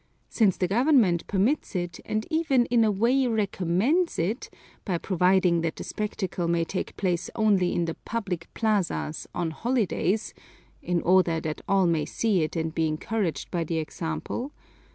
Since the government permits it and even in a way recommends it, by providing that the spectacle may take place only in the public plazas, on holidays (in order that all may see it and be encouraged by the example?)